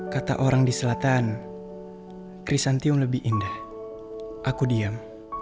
kata orang di selatan krisantiung lebih indah aku diam